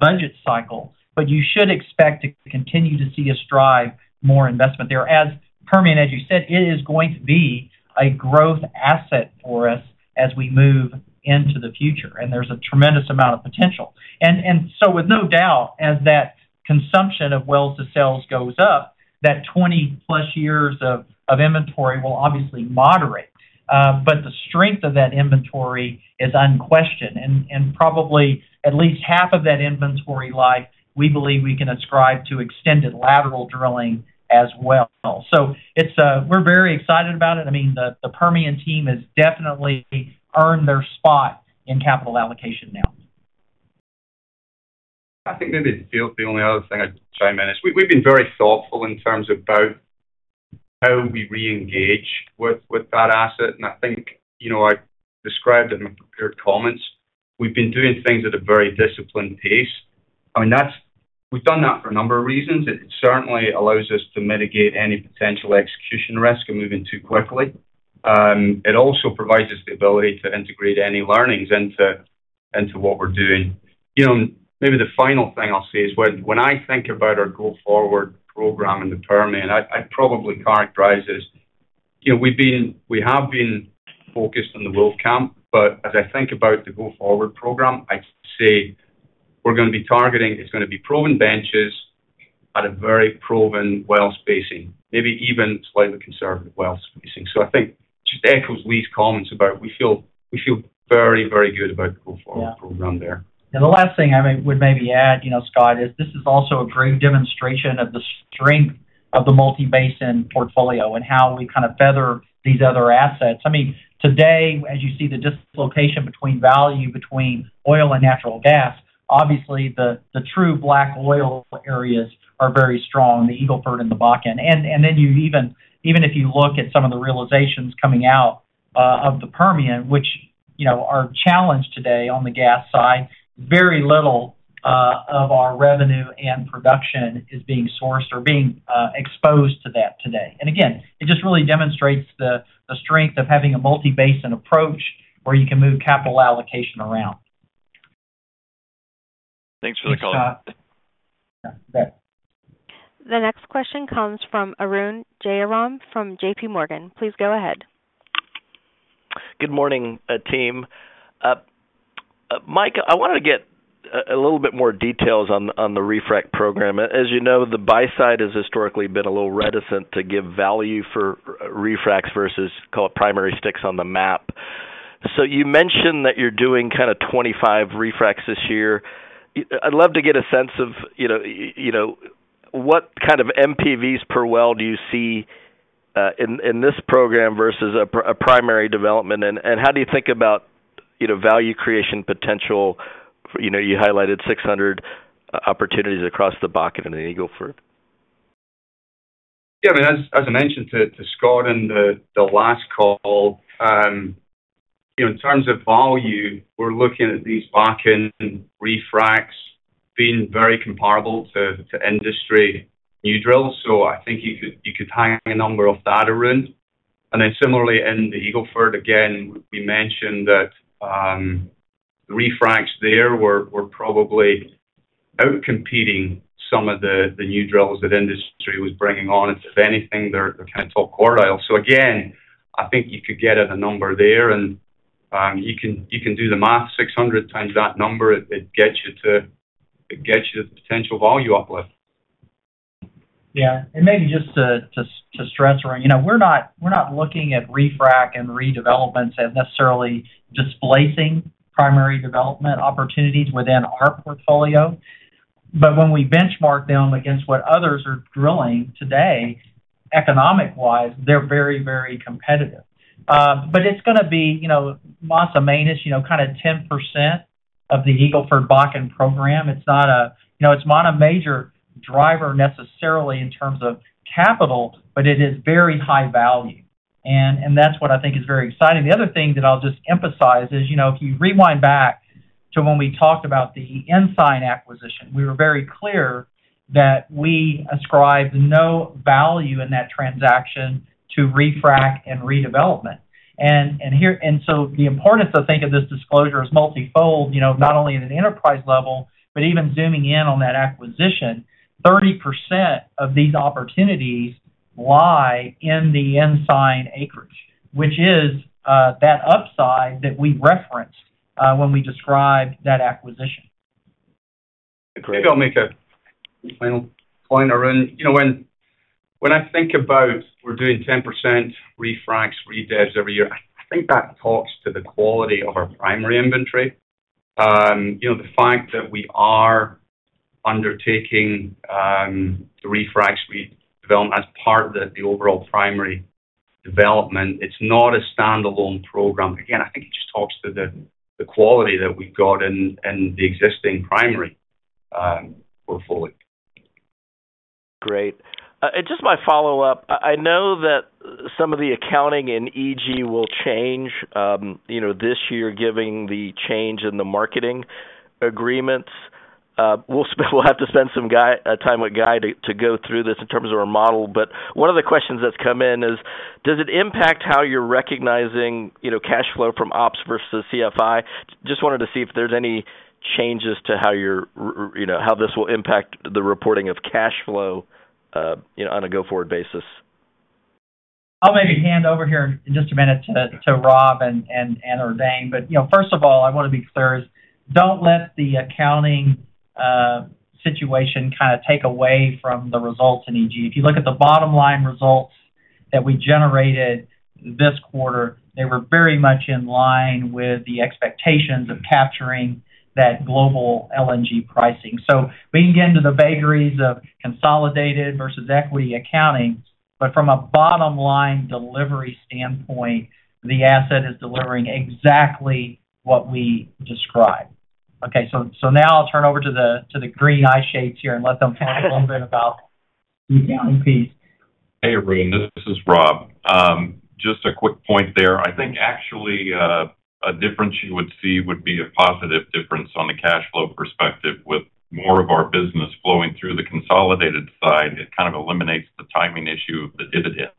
budget cycle, but you should expect to continue to see us drive more investment there. As Permian, as you said, it is going to be a growth asset for us as we move into the future, and there's a tremendous amount of potential. And, and so with no doubt, as that consumption of wells to sales goes up, that 20+ years of, of inventory will obviously moderate. But the strength of that inventory is unquestioned, and, and probably at least half of that inventory life, we believe we can ascribe to extended lateral drilling as well. So it's... We're very excited about it. I mean, the Permian team has definitely earned their spot in capital allocation now. I think maybe the only other thing I'd chime in is we've been very thoughtful in terms about how we reengage with that asset. And I think, you know, I described it in my prepared comments, we've been doing things at a very disciplined pace. I mean, that's—we've done that for a number of reasons. It certainly allows us to mitigate any potential execution risk in moving too quickly. It also provides us the ability to integrate any learnings into what we're doing. You know, maybe the final thing I'll say is when I think about our go-forward program in the Permian, I'd probably characterize this: you know, we've been—we have been focused on the Wolfcamp, but as I think about the go-forward program, I'd say we're gonna be targeting, it's gonna be proven benches-... At a very proven well spacing, maybe even slightly conservative well spacing. So I think just echoes Lee's comments about we feel, we feel very, very good about the go-forward program there. Yeah. And the last thing I would maybe add, you know, Scott, is this is also a great demonstration of the strength of the multi-basin portfolio and how we kind of feather these other assets. I mean, today, as you see the dislocation between value, between oil and natural gas, obviously, the true black oil areas are very strong, the Eagle Ford and the Bakken. And then you even if you look at some of the realizations coming out of the Permian, which, you know, are challenged today on the gas side, very little of our revenue and production is being sourced or being exposed to that today. And again, it just really demonstrates the strength of having a multi-basin approach, where you can move capital allocation around. Thanks for the call. Thanks, Scott. Bye. The next question comes from Arun Jayaram from J.P. Morgan. Please go ahead. Good morning, team. Mike, I wanted to get a little bit more details on the refrac program. As you know, the buy side has historically been a little reticent to give value for refracs versus, call it, primary sticks on the map. So you mentioned that you're doing kind of 25 refracs this year. I'd love to get a sense of, you know, you know, what kind of NPVs per well do you see in this program versus a primary development? And how do you think about, you know, value creation potential? You know, you highlighted 600 opportunities across the Bakken and the Eagle Ford. Yeah, I mean, as I mentioned to Scott in the last call, you know, in terms of value, we're looking at these Bakken refracs being very comparable to industry new drills. So I think you could hang a number off that, Arun. And then similarly, in the Eagle Ford, again, we mentioned that refracs there were probably outcompeting some of the new drills that industry was bringing on. If anything, they're kind of top quartile. So again, I think you could get at a number there, and you can do the math, 600 times that number, it gets you to—it gets you the potential volume uplift. Yeah, and maybe just to stress, Arun, you know, we're not, we're not looking at refrac and redevelopments as necessarily displacing primary development opportunities within our portfolio. But when we benchmark them against what others are drilling today, economic-wise, they're very, very competitive. But it's gonna be, you know, maybe minus, you know, kind of 10% of the Eagle Ford Bakken program. It's not a... You know, it's not a major driver necessarily in terms of capital, but it is very high value, and, and that's what I think is very exciting. The other thing that I'll just emphasize is, you know, if you rewind back to when we talked about the Ensign acquisition, we were very clear that we ascribed no value in that transaction to refrac and redevelopment. So the importance, I think, of this disclosure is multifold, you know, not only at an enterprise level, but even zooming in on that acquisition. 30% of these opportunities lie in the Ensign acreage, which is that upside that we referenced when we described that acquisition. Great. I'll make a final point, Arun. You know, when I think about we're doing 10% refracs redevs every year, I think that talks to the quality of our primary inventory. You know, the fact that we are undertaking the refracs we developed as part of the overall primary development, it's not a standalone program. Again, I think it just talks to the quality that we've got in the existing primary portfolio. Great. And just my follow-up: I know that some of the accounting in EG will change, you know, this year, given the change in the marketing agreements. We'll have to spend some time with Guy to go through this in terms of our model. But one of the questions that's come in is: Does it impact how you're recognizing, you know, cash flow from ops versus CFI? Just wanted to see if there's any changes to how you're, you know, how this will impact the reporting of cash flow, you know, on a go-forward basis. I'll maybe hand over here in just a minute to Rob and or Dane. But, you know, first of all, I want to be clear, don't let the accounting situation kind of take away from the results in EG. If you look at the bottom line results that we generated this quarter, they were very much in line with the expectations of capturing that global LNG pricing. So we can get into the vagaries of consolidated versus equity accounting, but from a bottom-line delivery standpoint, the asset is delivering exactly what we described. Okay, so now I'll turn over to the green eyeshades here and let them talk a little bit about the accounting piece. Hey, Arun, this is Rob. Just a quick point there. I think actually a difference you would see would be a positive difference on the cash flow perspective. With more of our business flowing through the consolidated side, it kind of eliminates the timing issue of the dividend.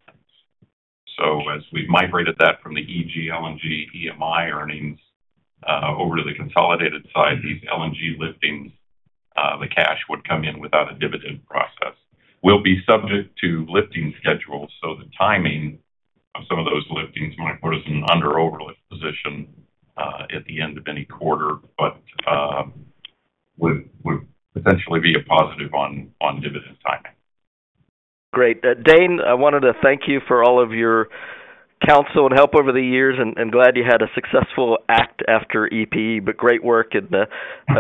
So as we've migrated that from the EG LNG EMI earnings over to the consolidated side, these LNG liftings, the cash would come in without a dividend process. We'll be subject to lifting schedules, so the timing-... some of those liftings might put us in an under-overlift position at the end of any quarter, but would essentially be a positive on dividend timing. Great. Dane, I wanted to thank you for all of your counsel and help over the years, and glad you had a successful exit after EPE, but great work, and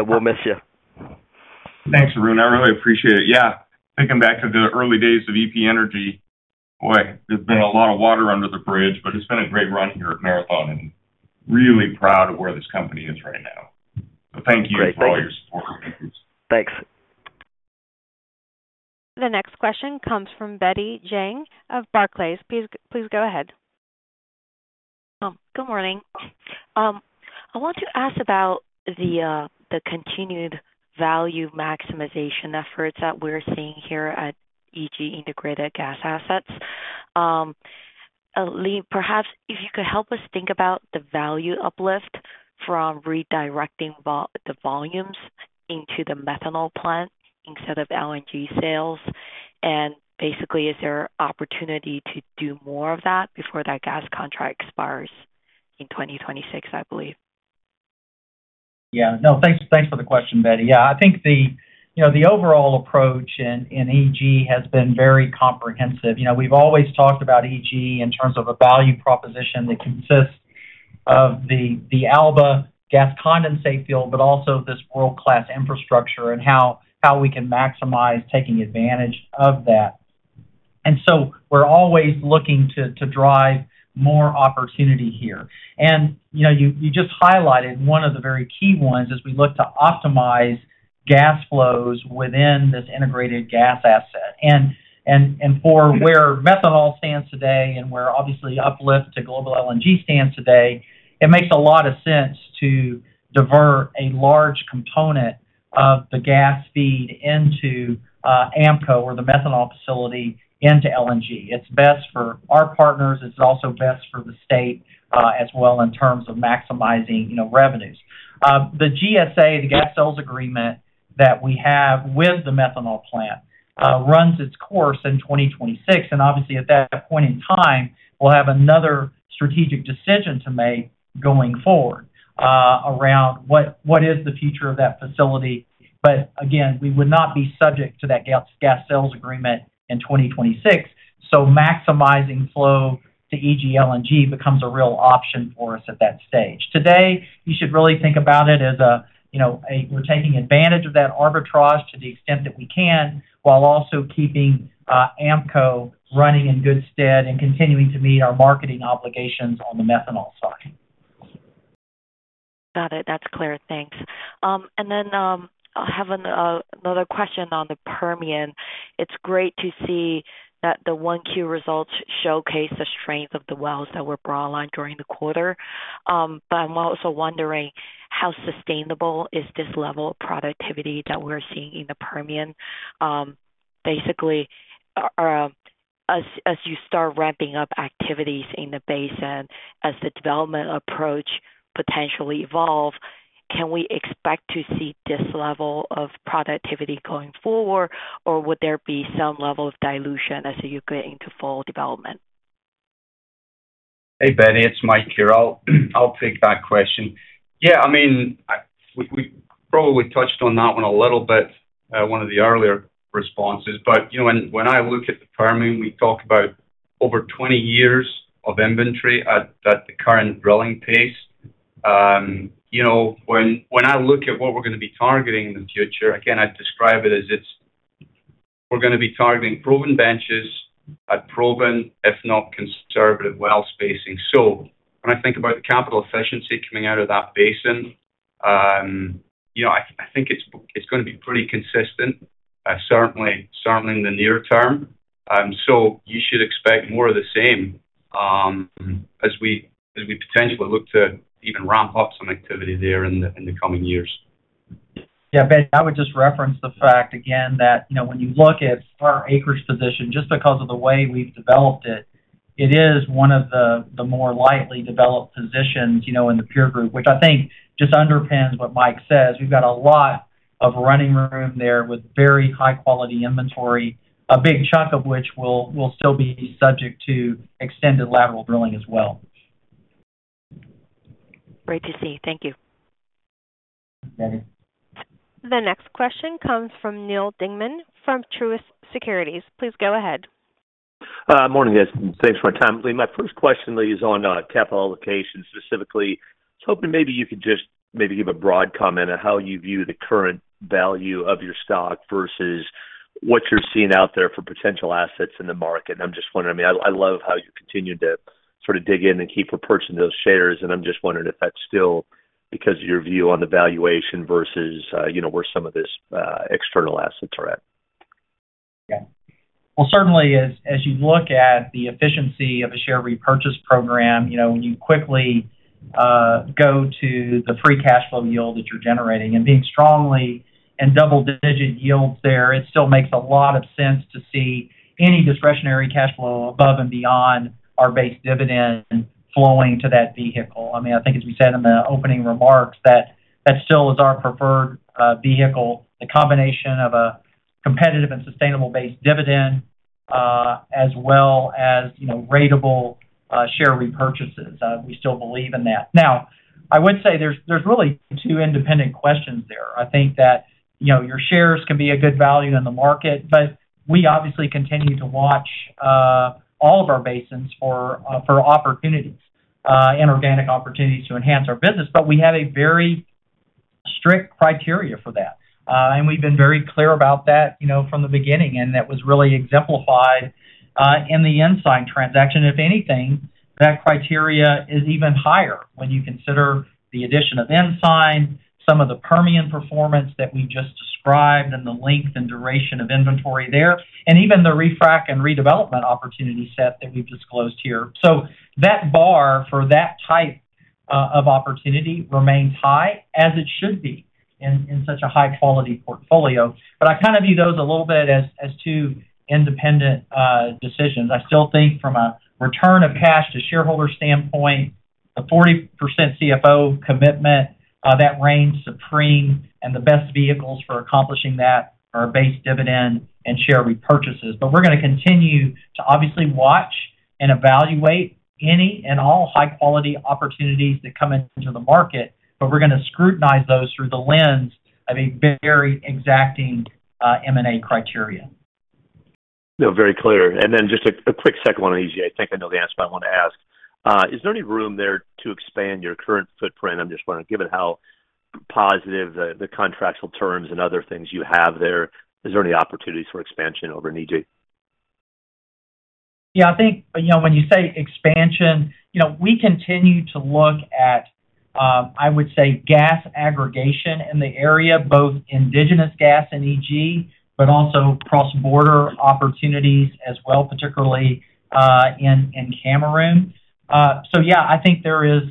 we'll miss you. Thanks, Arun. I really appreciate it. Yeah, thinking back to the early days of EP Energy, boy, there's been a lot of water under the bridge, but it's been a great run here at Marathon, and really proud of where this company is right now. So thank you for all your support over the years. Thanks. The next question comes from Betty Jiang of Barclays. Please, please go ahead. Good morning. I want to ask about the continued value maximization efforts that we're seeing here at EG Integrated Gas Assets. Lee, perhaps if you could help us think about the value uplift from redirecting the volumes into the methanol plant instead of LNG sales. Basically, is there opportunity to do more of that before that gas contract expires in 2026, I believe? Yeah. No, thanks, thanks for the question, Betty. Yeah, I think the, you know, the overall approach in, in EG has been very comprehensive. You know, we've always talked about EG in terms of a value proposition that consists of the, the Alba gas condensate field, but also this world-class infrastructure and how, how we can maximize taking advantage of that. And so we're always looking to, to drive more opportunity here. And, you know, you, you just highlighted one of the very key ones as we look to optimize gas flows within this integrated gas asset. And, and, and for where methanol stands today and where, obviously, uplift to global LNG stands today, it makes a lot of sense to divert a large component of the gas feed into AMPCO or the methanol facility into LNG. It's best for our partners. It's also best for the state, as well, in terms of maximizing, you know, revenues. The GSA, the gas sales agreement that we have with the methanol plant, runs its course in 2026, and obviously, at that point in time, we'll have another strategic decision to make going forward, around what, what is the future of that facility. But again, we would not be subject to that gas, gas sales agreement in 2026, so maximizing flow to EG LNG becomes a real option for us at that stage. Today, you should really think about it as a, you know, a-- we're taking advantage of that arbitrage to the extent that we can, while also keeping, AMPCO running in good stead and continuing to meet our marketing obligations on the methanol side. Got it. That's clear. Thanks. And then, I have another question on the Permian. It's great to see that the 1Q results showcase the strength of the wells that were brought online during the quarter. But I'm also wondering, how sustainable is this level of productivity that we're seeing in the Permian? Basically, as you start ramping up activities in the basin, as the development approach potentially evolve, can we expect to see this level of productivity going forward, or would there be some level of dilution as you get into full development? Hey, Betty, it's Mike here. I'll take that question. Yeah, I mean, we probably touched on that one a little bit, one of the earlier responses. But, you know, when I look at the Permian, we talk about over 20 years of inventory at the current drilling pace. You know, when I look at what we're going to be targeting in the future, again, I'd describe it as it's, we're going to be targeting proven benches at proven, if not conservative, well spacing. So when I think about the capital efficiency coming out of that basin, you know, I think it's going to be pretty consistent, certainly in the near term. So you should expect more of the same, as we potentially look to even ramp up some activity there in the coming years. Yeah, Betty, I would just reference the fact again that, you know, when you look at our acreage position, just because of the way we've developed it, it is one of the more lightly developed positions, you know, in the peer group, which I think just underpins what Mike says. We've got a lot of running room there with very high-quality inventory, a big chunk of which will still be subject to extended lateral drilling as well. Great to see. Thank you. Thanks. The next question comes from Neal Dingmann from Truist Securities. Please go ahead. Morning, guys. Thanks for my time. Lee, my first question is on capital allocation. Specifically, I was hoping maybe you could just maybe give a broad comment on how you view the current value of your stock versus what you're seeing out there for potential assets in the market. And I'm just wondering, I mean, I love how you continued to sort of dig in and keep repurchasing those shares, and I'm just wondering if that's still because of your view on the valuation versus, you know, where some of this external assets are at. Yeah. Well, certainly as you look at the efficiency of a share repurchase program, you know, when you quickly go to the free cash flow yield that you're generating and being strongly in double-digit yields there, it still makes a lot of sense to see any discretionary cash flow above and beyond our base dividend flowing to that vehicle. I mean, I think as we said in the opening remarks, that that still is our preferred vehicle, the combination of a competitive and sustainable base dividend as well as, you know, ratable share repurchases. We still believe in that. Now, I would say there's really two independent questions there. I think that, you know, your shares can be a good value in the market, but we obviously continue to watch all of our basins for for opportunities and organic opportunities to enhance our business. But we have a very strict criteria for that. And we've been very clear about that, you know, from the beginning, and that was really exemplified in the Ensign transaction. If anything, that criteria is even higher when you consider the addition of Ensign, some of the Permian performance that we just described, and the length and duration of inventory there, and even the refrac and redevelopment opportunity set that we've disclosed here. So that bar for that type of opportunity remains high, as it should be in such a high quality portfolio. But I kind of view those a little bit as two independent decisions. I still think from a return of cash to shareholder standpoint, a 40% CFO commitment, that reigns supreme, and the best vehicles for accomplishing that are base dividend and share repurchases. But we're going to continue to obviously watch and evaluate any and all high quality opportunities that come into the market, but we're going to scrutinize those through the lens of a very exacting, M&A criteria. No, very clear. And then just a quick second one on EG. I think I know the answer, but I want to ask, is there any room there to expand your current footprint? I'm just wondering, given how positive the contractual terms and other things you have there, is there any opportunities for expansion over in EG? Yeah, I think, you know, when you say expansion, you know, we continue to look at, I would say, gas aggregation in the area, both indigenous gas and EG, but also cross-border opportunities as well, particularly in Cameroon. So yeah, I think there is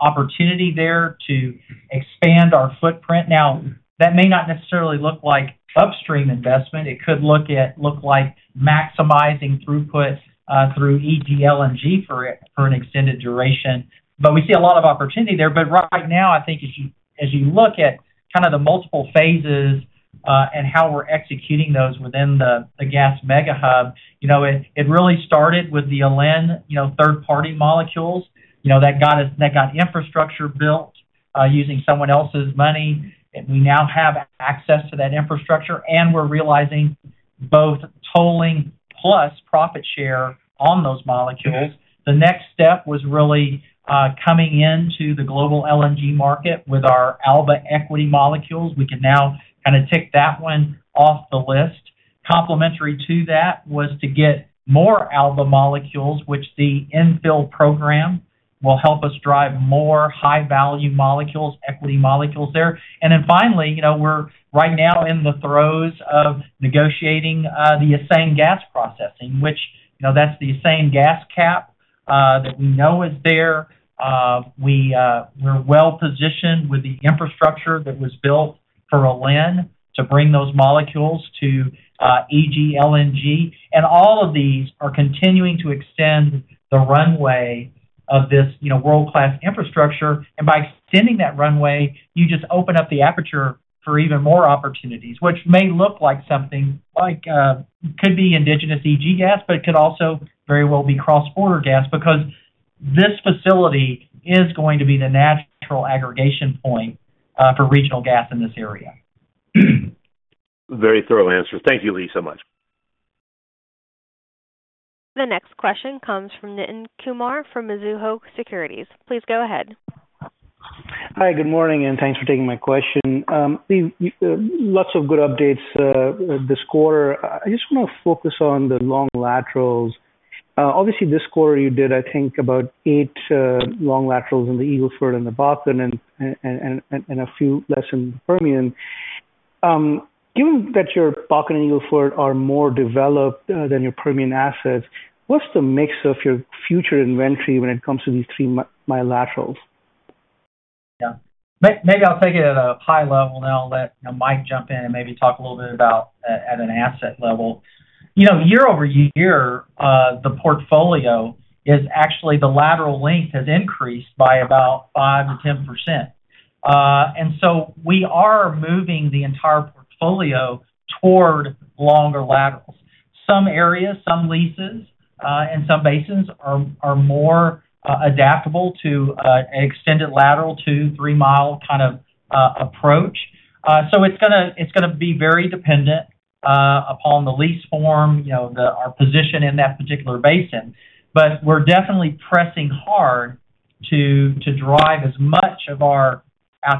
opportunity there to expand our footprint. Now, that may not necessarily look like upstream investment. It could look like maximizing throughput through EG LNG for an extended duration. But we see a lot of opportunity there. But right now, I think as you look at kind of the multiple phases and how we're executing those within the gas mega hub, you know, it really started with the Alen, you know, third-party molecules. You know, that got infrastructure built using someone else's money. We now have access to that infrastructure, and we're realizing both tolling plus profit share on those molecules. The next step was really coming into the global LNG market with our Alba equity molecules. We can now kind of tick that one off the list. Complementary to that was to get more Alba molecules, which the infill program will help us drive more high-value molecules, equity molecules there. And then finally, you know, we're right now in the throes of negotiating the Aseng gas processing, which, you know, that's the Aseng gas cap that we know is there. We, we're well positioned with the infrastructure that was built for Alen to bring those molecules to EG LNG. All of these are continuing to extend the runway of this, you know, world-class infrastructure, and by extending that runway, you just open up the aperture for even more opportunities, which may look like something like could be indigenous EG gas, but it could also very well be cross-border gas, because this facility is going to be the natural aggregation point for regional gas in this area. Very thorough answer. Thank you, Lee, so much. The next question comes from Nitin Kumar, from Mizuho Securities. Please go ahead. Hi, good morning, and thanks for taking my question. Lee, lots of good updates this quarter. I just want to focus on the long laterals. Obviously, this quarter you did, I think, about 8 long laterals in the Eagle Ford and the Bakken and a few less in Permian. Given that your Bakken and Eagle Ford are more developed than your Permian assets, what's the mix of your future inventory when it comes to these three-mile laterals? Yeah. Maybe I'll take it at a high level, then I'll let Mike jump in and maybe talk a little bit about at an asset level. You know, year-over-year, the portfolio is actually, the lateral length has increased by about 5%-10%. And so we are moving the entire portfolio toward longer laterals. Some areas, some leases, and some basins are more adaptable to extended lateral 2- to 3-mile kind of approach. So it's gonna be very dependent upon the lease form, you know, our position in that particular basin. But we're definitely pressing hard to drive as much of our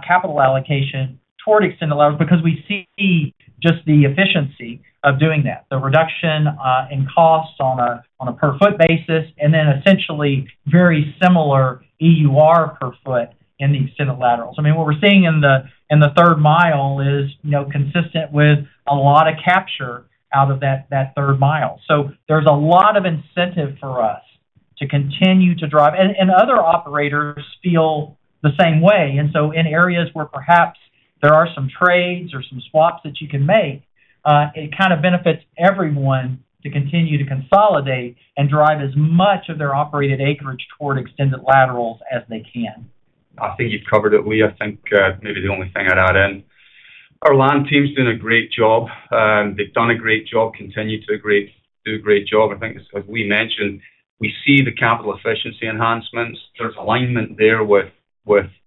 capital allocation toward extended laterals because we see just the efficiency of doing that, the reduction in costs on a per-foot basis, and then essentially very similar EUR per foot in the extended laterals. I mean, what we're seeing in the third mile is, you know, consistent with a lot of capture out of that third mile. So there's a lot of incentive for us to continue to drive. And other operators feel the same way, and so in areas where perhaps there are some trades or some swaps that you can make, it kind of benefits everyone to continue to consolidate and drive as much of their operated acreage toward extended laterals as they can. ... I think you've covered it, Lee. I think, maybe the only thing I'd add in, our land team's doing a great job, and they've done a great job and continue to do a great job. I think, as we mentioned, we see the capital efficiency enhancements. There's alignment there with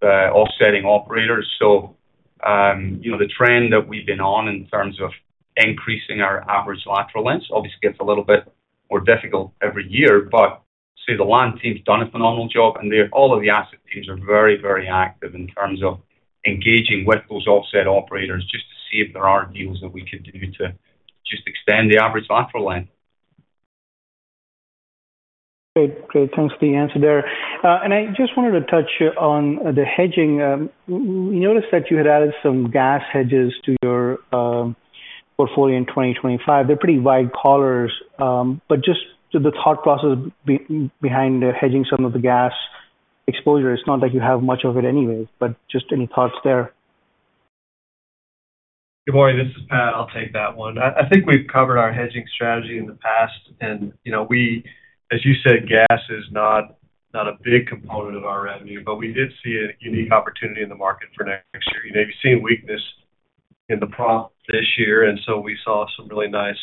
offsetting operators. So, you know, the trend that we've been on in terms of increasing our average lateral lengths, obviously, gets a little bit more difficult every year. But so the land team's done a phenomenal job, and they're all of the asset teams are very, very active in terms of engaging with those offset operators, just to see if there are deals that we could do to just extend the average lateral length. Great. Great. Thanks for the answer there. I just wanted to touch on the hedging. We noticed that you had added some gas hedges to your portfolio in 2025. They're pretty wide collars, but just the thought process behind hedging some of the gas exposure. It's not that you have much of it anyways, but just any thoughts there? Good morning, this is Pat. I'll take that one. I think we've covered our hedging strategy in the past, and, you know, we... As you said, gas is not a big component of our revenue, but we did see a unique opportunity in the market for next year. You know, you've seen weakness in the prompt this year, and so we saw some really nice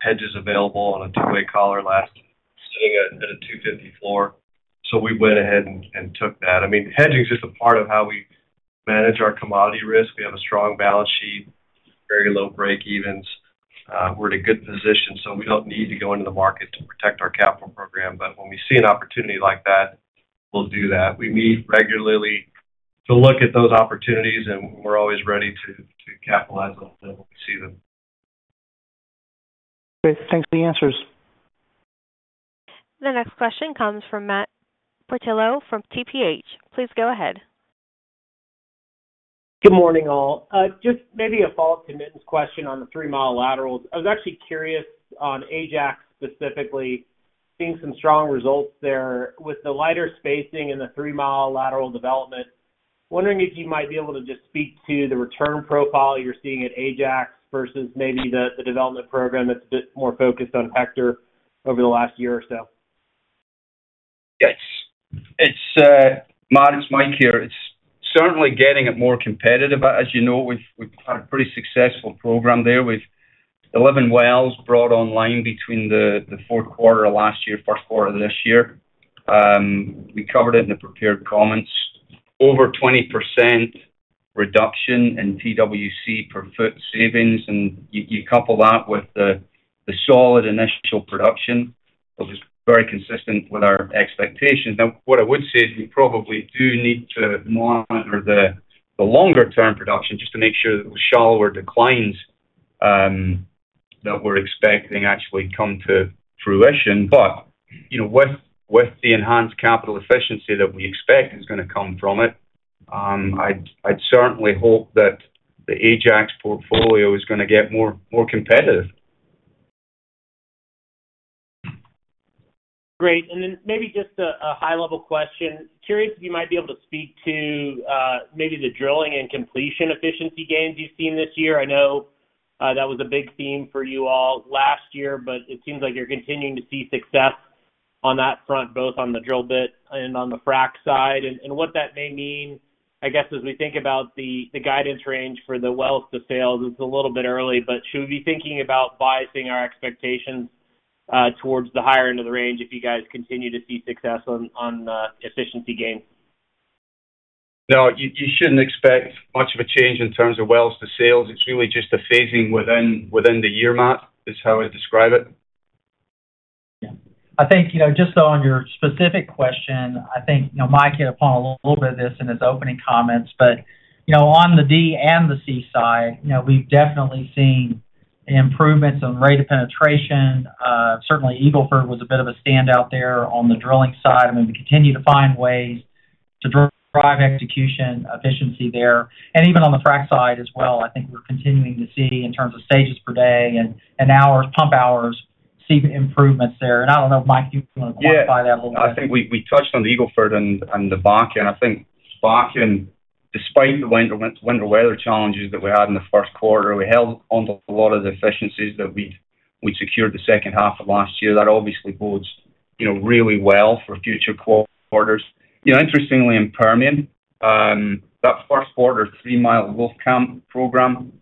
hedges available on a two-way collar last sitting at a $2.50 floor. So we went ahead and took that. I mean, hedging is just a part of how we manage our commodity risk. We have a strong balance sheet, very low breakevens. We're in a good position, so we don't need to go into the market to protect our capital program. But when we see an opportunity like that, we'll do that. We meet regularly to look at those opportunities, and we're always ready to capitalize on them when we see them. Great. Thanks for the answers. The next question comes from Matt Portillo from TPH. Please go ahead. Good morning, all. Just maybe a follow-up to Nitin's question on the three-mile laterals. I was actually curious on Ajax specifically, seeing some strong results there. With the lighter spacing and the three-mile lateral development, wondering if you might be able to just speak to the return profile you're seeing at Ajax versus maybe the development program that's a bit more focused on Hector over the last year or so? Yes. It's, Matt, it's Mike here. It's certainly getting it more competitive, but as you know, we've had a pretty successful program there. We've 11 wells brought online between the fourth quarter of last year, first quarter of this year. We covered it in the prepared comments. Over 20% reduction in TWC per foot savings, and you couple that with the solid initial production, which is very consistent with our expectations. Now, what I would say is we probably do need to monitor the longer-term production just to make sure that the shallower declines that we're expecting actually come to fruition. But, you know, with the enhanced capital efficiency that we expect is gonna come from it, I'd certainly hope that the Ajax portfolio is gonna get more competitive. Great. And then maybe just a high-level question. Curious if you might be able to speak to maybe the drilling and completion efficiency gains you've seen this year. I know that was a big theme for you all last year, but it seems like you're continuing to see success on that front, both on the drill bit and on the frack side. And what that may mean, I guess, as we think about the guidance range for the wells to sales, it's a little bit early, but should we be thinking about biasing our expectations towards the higher end of the range if you guys continue to see success on efficiency gains? No, you shouldn't expect much of a change in terms of wells to sales. It's really just a phasing within the year, Matt, is how I'd describe it. Yeah. I think, you know, just on your specific question, I think, you know, Mike hit upon a little bit of this in his opening comments, but, you know, on the D and the C side, you know, we've definitely seen improvements on rate of penetration. Certainly, Eagle Ford was a bit of a standout there on the drilling side. I mean, we continue to find ways to drive execution efficiency there. And even on the frack side as well, I think we're continuing to see in terms of stages per day and, and hours, pump hours, see improvements there. And I don't know, Mike, you want to qualify that a little bit? Yeah. I think we touched on the Eagle Ford and the Bakken. I think Bakken, despite the winter weather challenges that we had in the first quarter, we held onto a lot of the efficiencies that we'd secured the second half of last year. That obviously bodes, you know, really well for future quarters. You know, interestingly, in Permian, that first quarter 3-Mile Wolfcamp program,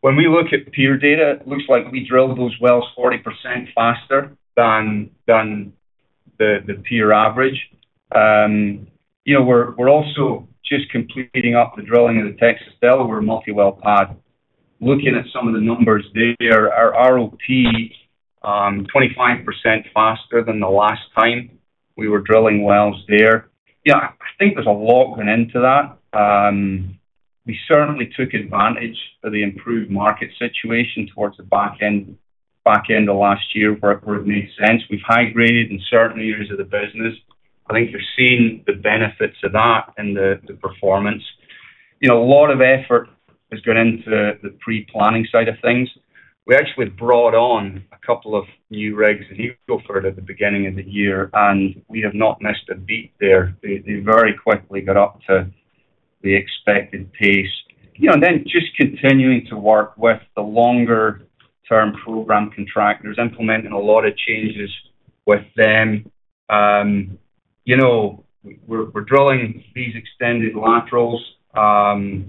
when we look at peer data, it looks like we drilled those wells 40% faster than the peer average. You know, we're also just completing up the drilling of the Texas Delaware multi-well pad. Looking at some of the numbers there, our ROP 25% faster than the last time we were drilling wells there. Yeah, I think there's a lot going into that. We certainly took advantage of the improved market situation towards the back end, back end of last year, where it made sense. We've high-graded in certain areas of the business. I think you're seeing the benefits of that in the, the performance. You know, a lot of effort has gone into the pre-planning side of things. We actually brought on a couple of new rigs in Eagle Ford at the beginning of the year, and we have not missed a beat there. They, they very quickly got up to the expected pace. You know, and then just continuing to work with the longer-term program contractors, implementing a lot of changes with them. You know, we're, we're drilling these extended laterals. You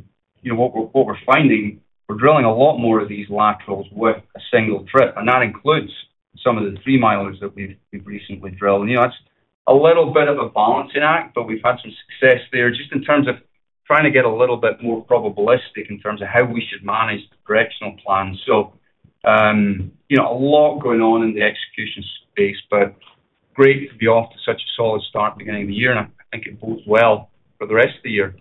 know, what we're, what we're finding, we're drilling a lot more of these laterals with a single trip, and that includes some of the three-milers that we've, we've recently drilled. You know, that's a little bit of a balancing act, but we've had some success there just in terms of trying to get a little bit more probabilistic in terms of how we should manage the directional plan. You know, a lot going on in the execution space, but great to be off to such a solid start at the beginning of the year, and I think it bodes well for the rest of the year.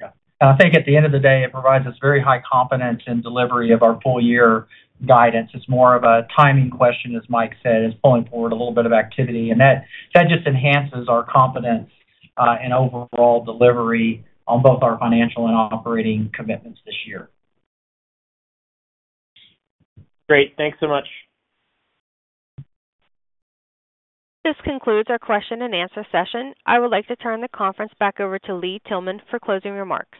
Yeah. I think at the end of the day, it provides us very high confidence in delivery of our full year guidance. It's more of a timing question, as Mike said, is pulling forward a little bit of activity, and that, that just enhances our confidence in overall delivery on both our financial and operating commitments this year. Great. Thanks so much. This concludes our question-and-answer session. I would like to turn the conference back over to Lee Tillman for closing remarks.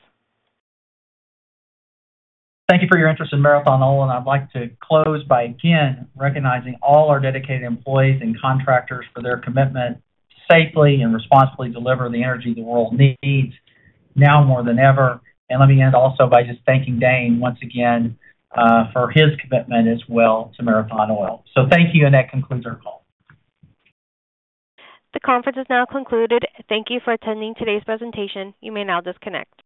Thank you for your interest in Marathon Oil, and I'd like to close by again recognizing all our dedicated employees and contractors for their commitment to safely and responsibly deliver the energy the world needs, now more than ever. Let me end also by just thanking Dane once again for his commitment as well to Marathon Oil. Thank you, and that concludes our call. The conference is now concluded. Thank you for attending today's presentation. You may now disconnect.